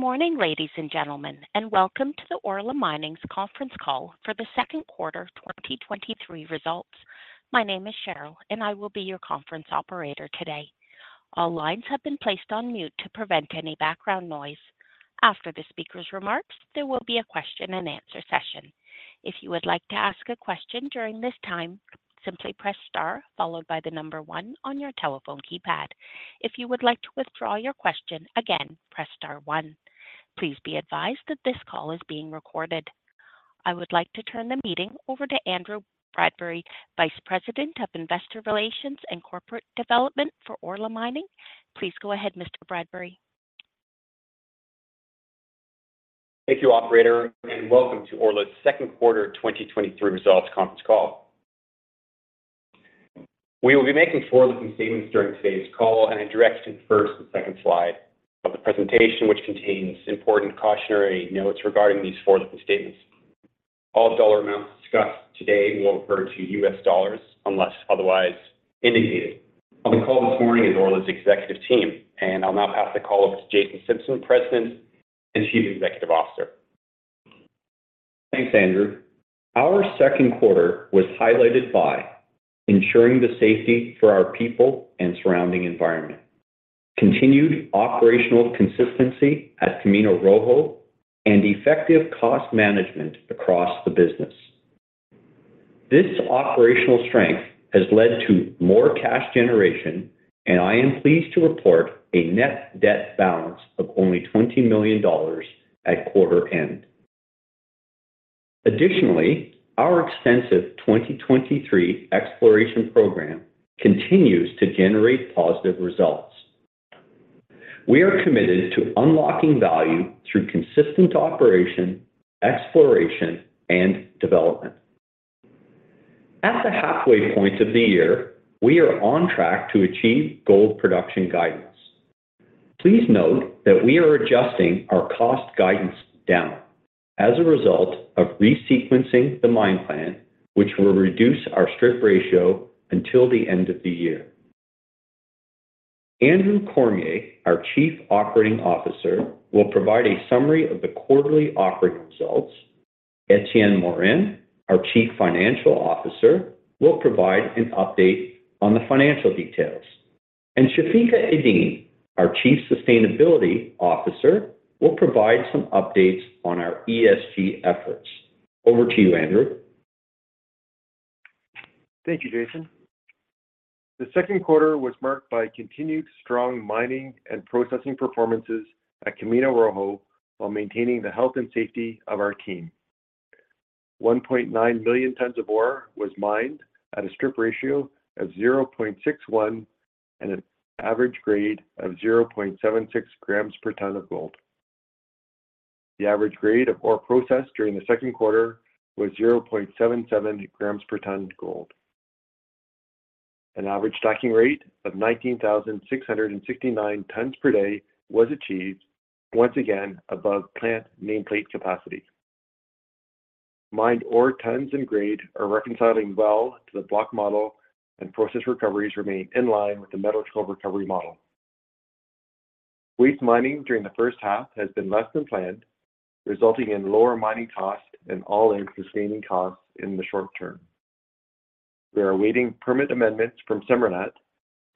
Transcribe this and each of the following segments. Good morning, ladies and gentlemen, and welcome to the Orla Mining's Conference Call for the Second Quarter 2023 Results. My name is Cheryl, and I will be your conference operator today. All lines have been placed on mute to prevent any background noise. After the speaker's remarks, there will be a question and answer session. If you would like to ask a question during this time, simply press star followed by the one on your telephone keypad. If you would like to withdraw your question, again, press star one. Please be advised that this call is being recorded. I would like to turn the meeting over to Andrew Bradbury, Vice President of Investor Relations and Corporate Development for Orla Mining. Please go ahead, Mr. Bradbury. Thank you, operator, welcome to Orla's Q2 2023 Results Conference Call. We will be making forward-looking statements during today's call, and I direct you to the 1st and 2nd slide of the presentation, which contains important cautionary notes regarding these forward-looking statements. All dollar amounts discussed today will refer to U.S. dollars unless otherwise indicated. On the call this morning is Orla's Executive Team, and I'll now pass the call over to Jason Simpson, President and Chief Executive Officer. Thanks, Andrew. Our second quarter was highlighted by ensuring the safety for our people and surrounding environment, continued operational consistency at Camino Rojo, and effective cost management across the business. This operational strength has led to more cash generation, and I am pleased to report a net debt balance of only $20 million at quarter end. Additionally, our extensive 2023 exploration program continues to generate positive results. We are committed to unlocking value through consistent operation, exploration, and development. At the halfway point of the year, we are on track to achieve gold production guidance. Please note that we are adjusting our cost guidance down as a result of resequencing the mine plan, which will reduce our strip ratio until the end of the year. Andrew Cormier, our Chief Operating Officer, will provide a summary of the quarterly operating results. Etienne Morin, our Chief Financial Officer, will provide an update on the financial details, and Chafika Eddine, our Chief Sustainability Officer, will provide some updates on our ESG efforts. Over to you, Andrew. Thank you, Jason. The second quarter was marked by continued strong mining and processing performances at Camino Rojo while maintaining the health and safety of our team. One point nine million tons of ore was mined at a strip ratio of 0.61 and an average grade of 0.76 grams per ton of gold. The average grade of ore processed during the second quarter was 0.77 grams per ton gold. An average stocking rate of 19,669 tons per day was achieved, once again, above plant nameplate capacity. Mined ore tons and grade are reconciling well to the block model, and process recoveries remain in line with the metallurgical recovery model. Waste mining during the first half has been less than planned, resulting in lower mining costs and all-in sustaining costs in the short term. We are awaiting permit amendments from SEMARNAT,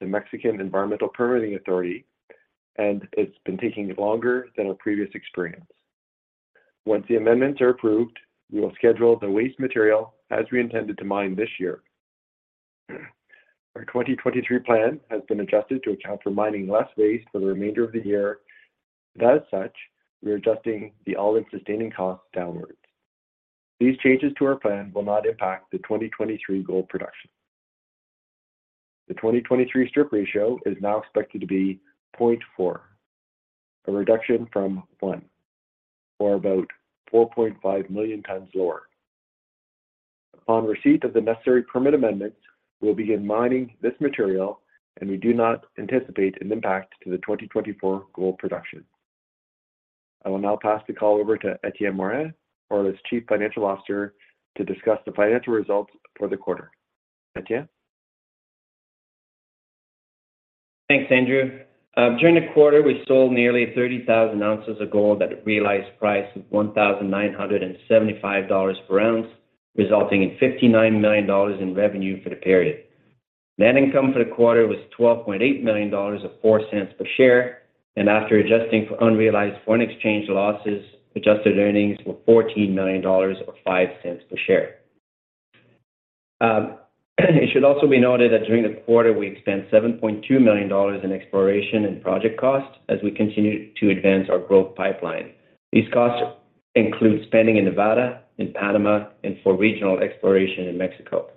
the Mexican Environmental Permitting Authority. It's been taking longer than our previous experience. Once the amendments are approved, we will schedule the waste material as we intended to mine this year. Our 2023 plan has been adjusted to account for mining less waste for the remainder of the year. As such, we are adjusting the all-in sustaining costs downwards. These changes to our plan will not impact the 2023 gold production. The 2023 strip ratio is now expected to be zero point four, a reduction from one or about four point five million tons lower. Upon receipt of the necessary permit amendments, we will begin mining this material, and we do not anticipate an impact to the 2024 gold production. I will now pass the call over to Etienne Morin, Orla's Chief Financial Officer, to discuss the financial results for the quarter. Etienne? Thanks, Andrew. During the quarter, we sold nearly 30,000 ounces of gold at a realized price of $1,975 per ounce, resulting in $59 million in revenue for the period. Net income for the quarter was $12.8 million or $0.04 per share, and after adjusting for unrealized foreign exchange losses, adjusted earnings were $14 million or $0.05 per share. It should also be noted that during the quarter, we spent $7.2 million in exploration and project costs as we continued to advance our growth pipeline. These costs include spending in Nevada, in Panama, and for regional exploration in Mexico.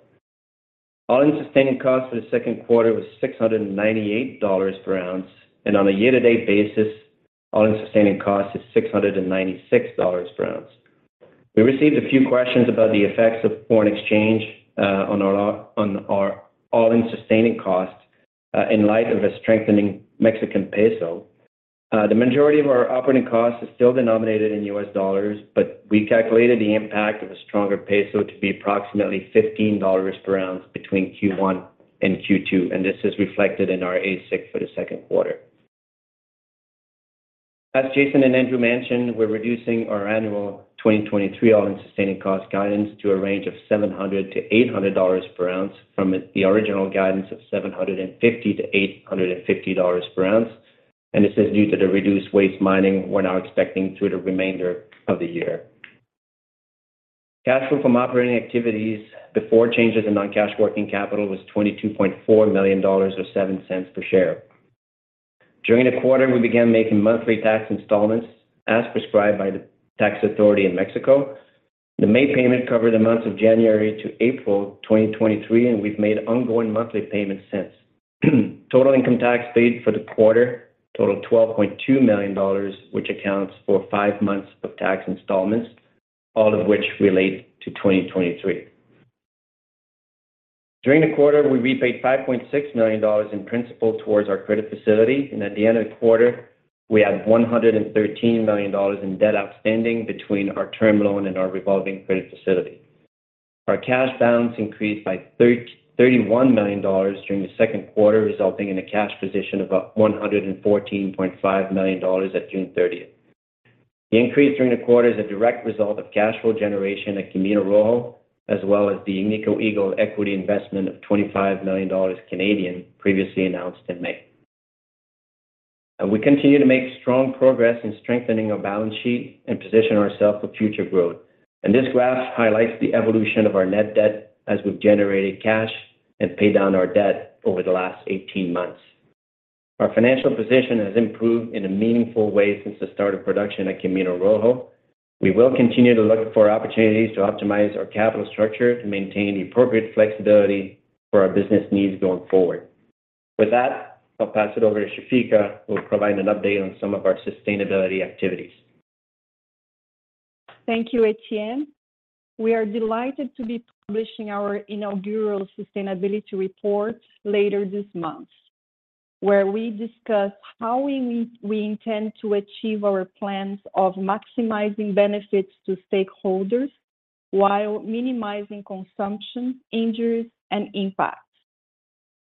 All-in sustaining costs for the second quarter was $698 per ounce, and on a year-to-date basis, all-in sustaining costs is $696 per ounce. We received a few questions about the effects of foreign exchange on our all-in sustaining costs in light of a strengthening Mexican peso. The majority of our operating costs is still denominated in U.S. dollars, but we calculated the impact of a stronger peso to be approximately $15 per ounce between Q1 and Q2. This is reflected in our AISC for the second quarter. As Jason and Andrew mentioned, we're reducing our annual 2023 all-in sustaining cost guidance to a range of $700-$800 per ounce, from the original guidance of $750-$850 per ounce. This is due to the reduced waste mining we're now expecting through the remainder of the year. Cash flow from operating activities before changes in non-cash working capital was $22.4 million or $0.07 per share. During the quarter, we began making monthly tax installments as prescribed by the tax authority in Mexico. The May payment covered the months of January to April 2023, and we've made ongoing monthly payments since. Total income tax paid for the quarter totaled $12.2 million, which accounts for five months of tax installments, all of which relate to 2023. During the quarter, we repaid $5.6 million in principal towards our credit facility, and at the end of the quarter, we had $113 million in debt outstanding between our term loan and our revolving credit facility. Our cash balance increased by $31 million during the second quarter, resulting in a cash position of about $114.5 million at June 30th. The increase during the quarter is a direct result of cash flow generation at Camino Rojo, as well as the Agnico Eagle equity investment of 25 million Canadian dollars, previously announced in May. We continue to make strong progress in strengthening our balance sheet and position ourself for future growth. This graph highlights the evolution of our net debt as we've generated cash and paid down our debt over the last 18 months. Our financial position has improved in a meaningful way since the start of production at Camino Rojo. We will continue to look for opportunities to optimize our capital structure to maintain the appropriate flexibility for our business needs going forward. With that, I'll pass it over to Chafika, who will provide an update on some of our sustainability activities. Thank you, Etienne. We are delighted to be publishing our inaugural sustainability report later this month, where we discuss how we intend to achieve our plans of maximizing benefits to stakeholders while minimizing consumption, injuries, and impact.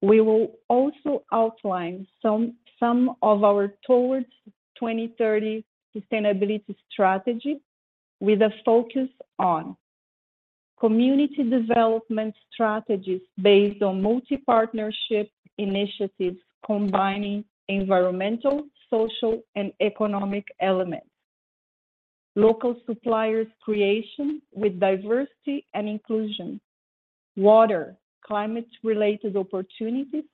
We will also outline some of our towards 2030 sustainability strategy with a focus on community development strategies based on multi-partnership initiatives, combining environmental, social, and economic elements, local suppliers creation with diversity and inclusion, water, climate-related opportunities,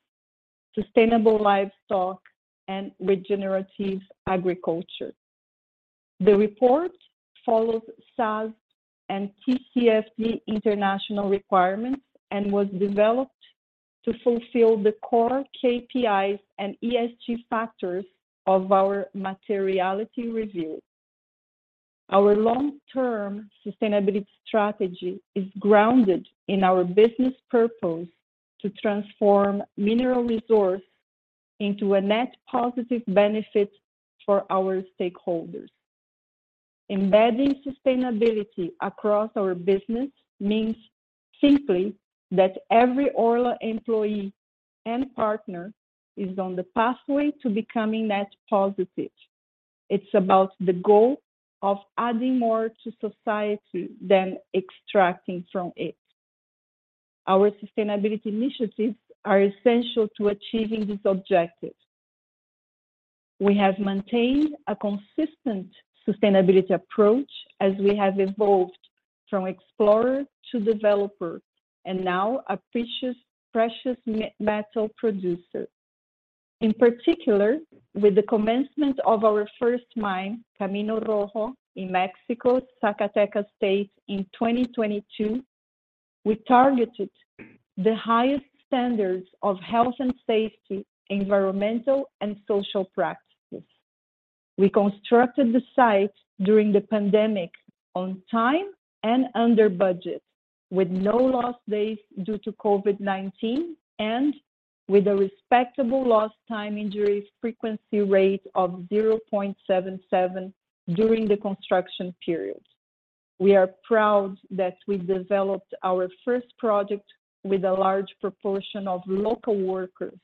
sustainable livestock, and regenerative agriculture. The report follows SASB and TCFD international requirements and was developed to fulfill the core KPIs and ESG factors of our materiality review. Our long-term sustainability strategy is grounded in our business purpose to transform mineral resource into a net positive benefit for our stakeholders. Embedding sustainability across our business means simply that every Orla employee and partner is on the pathway to becoming net positive. It's about the goal of adding more to society than extracting from it. Our sustainability initiatives are essential to achieving this objective. We have maintained a consistent sustainability approach as we have evolved from explorer to developer, and now a precious, precious metal producer. In particular, with the commencement of our first mine, Camino Rojo, in Mexico, Zacatecas state in 2022, we targeted the highest standards of health and safety, environmental, and social practices. We constructed the site during the pandemic on time and under budget, with no lost days due to COVID-19 and with a respectable lost time injury frequency rate of 0.77 during the construction period. We are proud that we've developed our first project with a large proportion of local workers,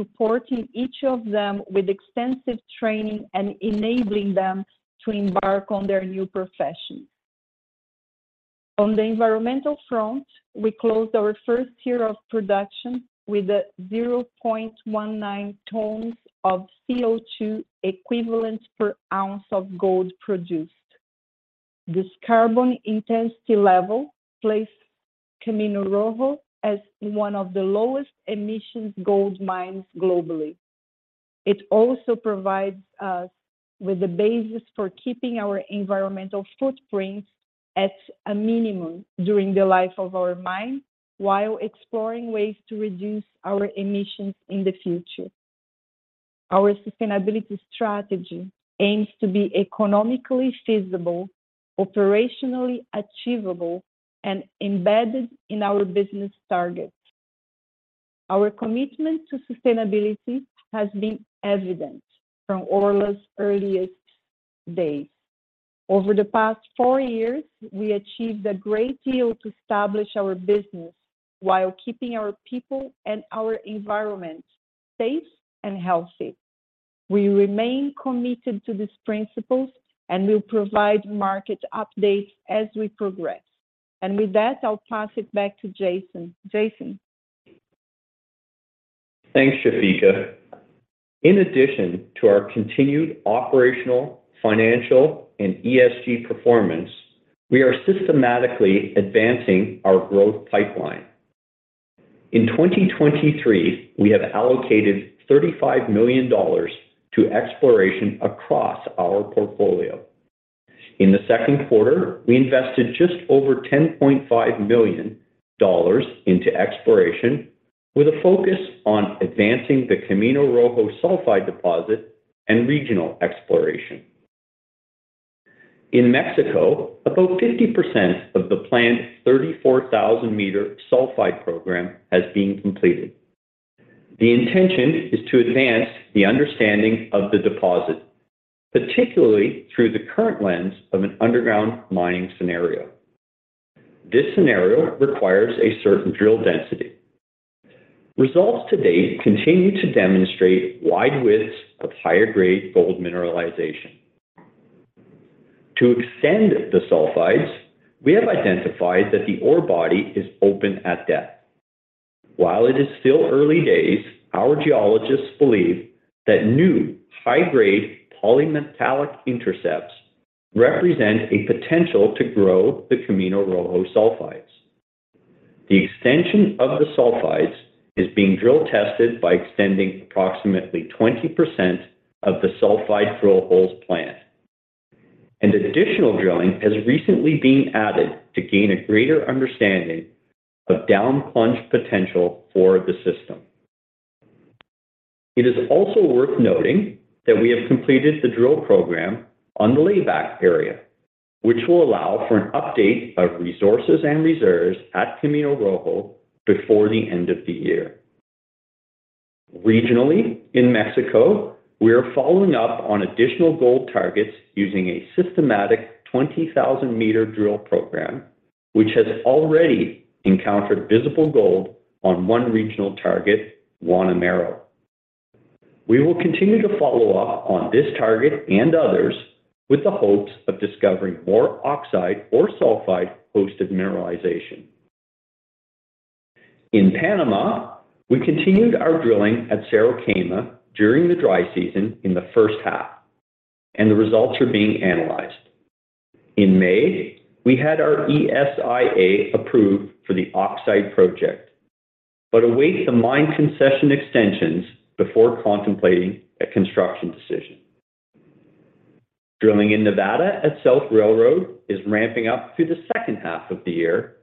supporting each of them with extensive training and enabling them to embark on their new profession. On the environmental front, we closed our first year of production with a 0.19 tons of CO2 equivalent per ounce of gold produced. This carbon intensity level places Camino Rojo as one of the lowest emissions gold mines globally. It also provides us with the basis for keeping our environmental footprint at a minimum during the life of our mine, while exploring ways to reduce our emissions in the future. Our sustainability strategy aims to be economically feasible, operationally achievable, and embedded in our business targets. Our commitment to sustainability has been evident from Orla's earliest days. Over the past four years, we achieved a great deal to establish our business while keeping our people and our environment safe and healthy. We remain committed to these principles, we'll provide market updates as we progress. With that, I'll pass it back to Jason. Jason? Thanks, Chafika. In addition to our continued operational, financial, and ESG performance, we are systematically advancing our growth pipeline. In 2023, we have allocated $35 million to exploration across our portfolio. In the second quarter, we invested just over $10.5 million into exploration, with a focus on advancing the Camino Rojo sulfide deposit and regional exploration. In Mexico, about 50% of the planned 34,000 meter sulfide program has been completed. The intention is to advance the understanding of the deposit, particularly through the current lens of an underground mining scenario. This scenario requires a certain drill density. Results to date continue to demonstrate wide widths of higher grade gold mineralization. To extend the sulfides, we have identified that the ore body is open at depth. While it is still early days, our geologists believe that new high-grade polymetallic intercepts represent a potential to grow the Camino Rojo sulfides. The extension of the sulfides is being drill tested by extending approximately 20% of the sulfide drill holes planned. Additional drilling has recently been added to gain a greater understanding of down-plunge potential for the system. It is also worth noting that we have completed the drill program on the layback area, which will allow for an update of resources and reserves at Camino Rojo before the end of the year. Regionally, in Mexico, we are following up on additional gold targets using a systematic 20,000 meter drill program, which has already encountered visible gold on one regional target, Guanamero. We will continue to follow up on this target and others with the hopes of discovering more oxide or sulfide hosted mineralization. In Panama, we continued our drilling at Cerro Quema during the dry season in the first half. The results are being analyzed. In May, we had our ESIA approved for the oxide project. We await the mine concession extensions before contemplating a construction decision. Drilling in Nevada at South Railroad is ramping up through the second half of the year,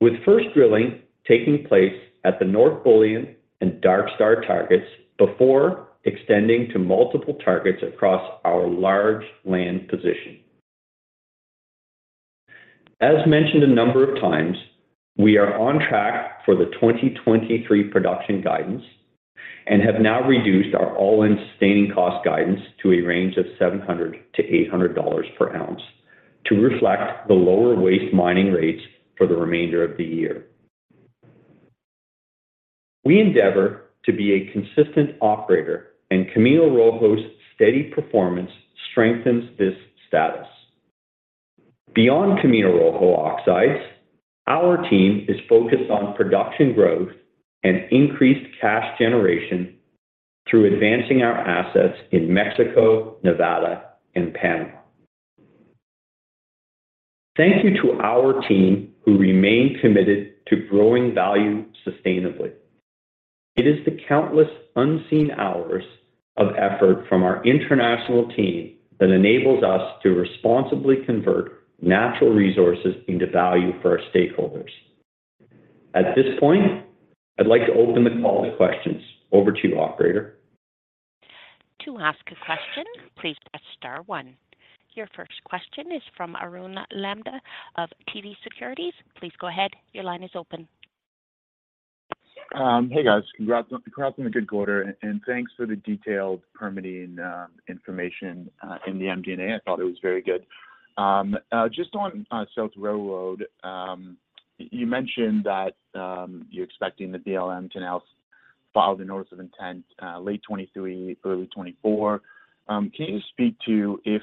with first drilling taking place at the North Bullion and Dark Star targets before extending to multiple targets across our large land position. As mentioned a number of times, we are on track for the 2023 production guidance and have now reduced our all-in sustaining cost guidance to a range of $700-$800 per ounce to reflect the lower waste mining rates for the remainder of the year. We endeavor to be a consistent operator. Camino Rojo's steady performance strengthens this status. Beyond Camino Rojo oxides, our team is focused on production growth and increased cash generation through advancing our assets in Mexico, Nevada, and Panama. Thank you to our team, who remain committed to growing value sustainably. It is the countless unseen hours of effort from our international team that enables us to responsibly convert natural resources into value for our stakeholders. At this point, I'd like to open the call to questions. Over to you, operator. To ask a question, please press star one. Your first question is from Arun Lamba of TD Securities. Please go ahead. Your line is open. Hey, guys. Congrats on the, congrats on a good quarter. Thanks for the detailed permitting information in the MD&A. I thought it was very good. Just on South Railroad, you mentioned that you're expecting the BLM to now file the notice of intent late 2023, early 2024. Can you speak to if,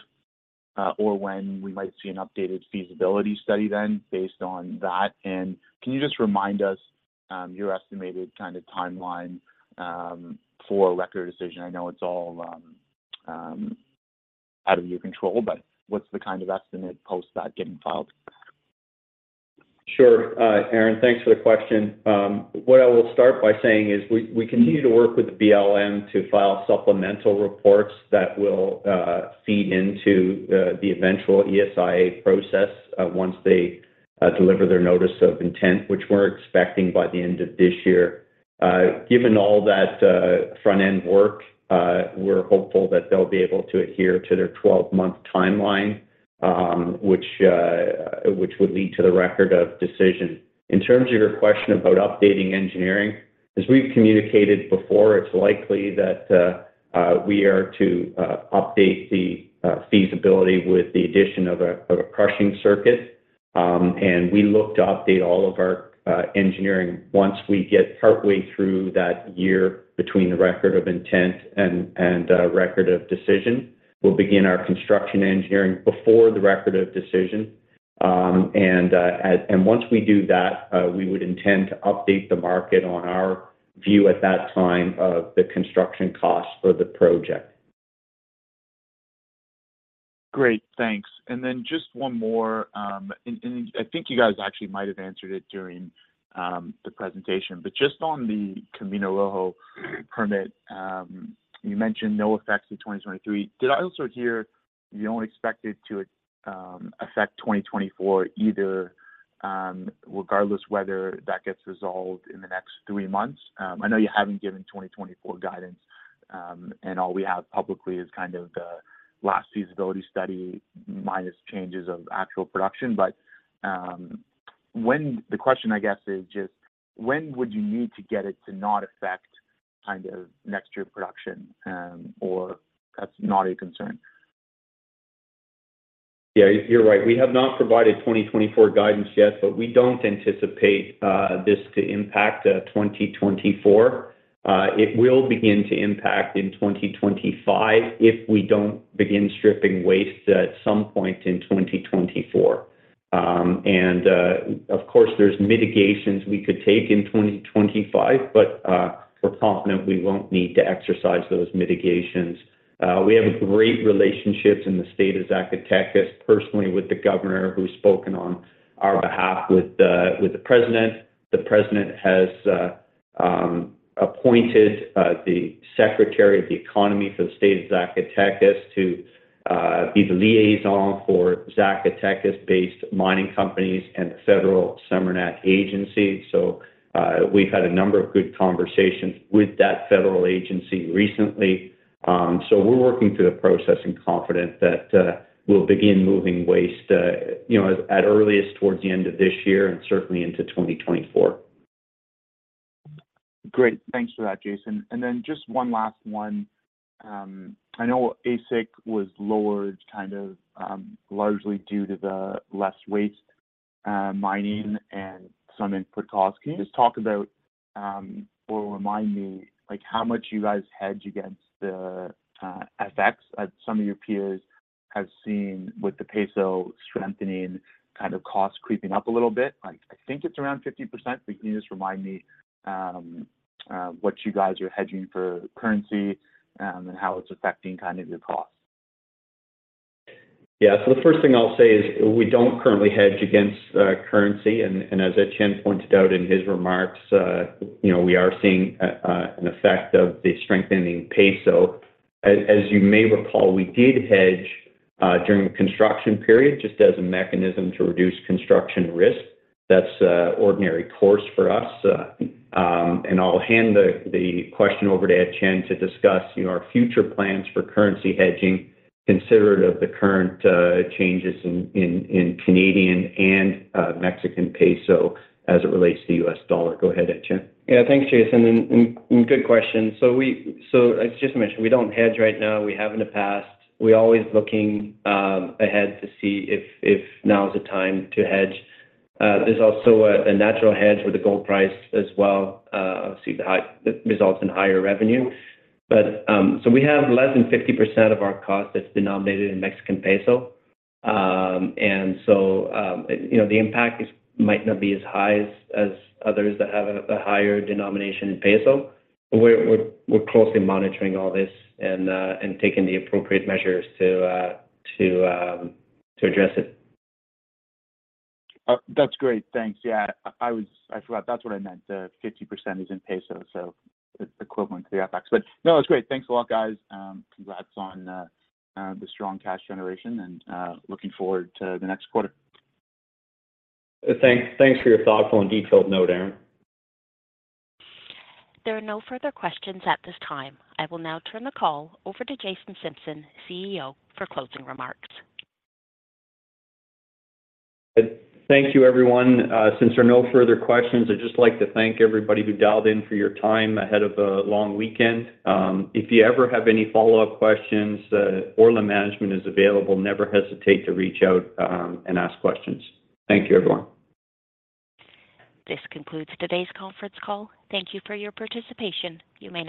when we might see an updated feasibility study then, based on that? Can you just remind us your estimated kind of timeline for a record decision? I know it's all out of your control, what's the kind of estimate post that getting filed? Sure, Arun, thanks for the question. What I will start by saying is we, we continue to work with the BLM to file supplemental reports that will feed into the eventual ESIA process once they deliver their Notice of Intent, which we're expecting by the end of this year. Given all that front-end work, we're hopeful that they'll be able to adhere to their 12-month timeline, which would lead to the Record of Decision. In terms of your question about updating engineering, as we've communicated before, it's likely that we are to update the feasibility with the addition of a crushing circuit. We look to update all of our engineering once we get partway through that year between the Notice of Intent and Record of Decision. We'll begin our construction engineering before the Record of Decision. Once we do that, we would intend to update the market on our view at that time of the construction costs for the project. Great, thanks. Just one more, and I think you guys actually might have answered it during the presentation, but just on the Camino Rojo permit, you mentioned no effects in 2023. Did I also hear you don't expect it to affect 2024 either, regardless whether that gets resolved in the next three months? I know you haven't given 2024 guidance, and all we have publicly is kind of the last feasibility study, minus changes of actual production. The question, I guess, is just when would you need to get it to not affect kind of next year production, or that's not a concern? Yeah, you're right. We have not provided 2024 guidance yet, but we don't anticipate this to impact 2024. It will begin to impact in 2025 if we don't begin stripping waste at some point in 2024. Of course, there's mitigations we could take in 2025, but we're confident we won't need to exercise those mitigations. We have great relationships in the state of Zacatecas, personally with the Governor, who's spoken on our behalf with the, with the President. The President has appointed the Secretary of the Economy for the state of Zacatecas to be the liaison for Zacatecas-based mining companies and the federal SEMARNAT agency, we've had a number of good conversations with that federal agency recently. We're working through the process and confident that we'll begin moving waste towards the end of this year and certainly into 2024. Great. Thanks for that, Jason. Then just one last one. I know AISC was lowered, kind of, largely due to the less waste mining and some input costs. Can you just talk about or remind me, like, how much you guys hedge against the FX, as some of your peers have seen with the peso strengthening, kind of cost creeping up a little bit? I, I think it's around 50%, but can you just remind me what you guys are hedging for currency and how it's affecting kind of your costs? Yeah. The first thing I'll say is we don't currently hedge against currency. As Eddine pointed out in his remarks, you know, we are seeing an effect of the strengthening peso. As you may recall, we did hedge during the construction period, just as a mechanism to reduce construction risk. That's ordinary course for us. I'll hand the question over to Eddine to discuss, you know, our future plans for currency hedging, considerate of the current changes in Canadian and Mexican peso as it relates to the U.S. dollar. Go ahead, Eddine. Thanks, Jason, and good question. As Jason mentioned, we don't hedge right now. We have in the past. We're always looking ahead to see if now is the time to hedge. There's also a natural hedge for the gold price as well, obviously, results in higher revenue. We have less than 50% of our cost that's denominated in Mexican peso. You know, the impact is, might not be as high as others that have a higher denomination in peso, but we're closely monitoring all this and taking the appropriate measures to address it. That's great. Thanks. Yeah, I forgot. That's what I meant, 50% is in peso, so it's equivalent to the FX. No, it's great. Thanks a lot, guys. Congrats on the strong cash generation and looking forward to the next quarter. Thanks. Thanks for your thoughtful and detailed note, Arun. There are no further questions at this time. I will now turn the call over to Jason Simpson, CEO, for closing remarks. Thank you, everyone. Since there are no further questions, I'd just like to thank everybody who dialed in for your time ahead of a long weekend. If you ever have any follow-up questions, Orla management is available, never hesitate to reach out and ask questions. Thank you, everyone. This concludes today's conference call. Thank you for your participation. You may disconnect.